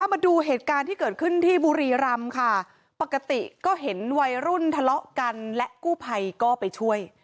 มาดูเหตุการณ์ที่เกิดขึ้นที่บุรีรำค่ะปกติก็เห็นวัยรุ่นทะเลาะกันและกู้ภัยก็ไปช่วย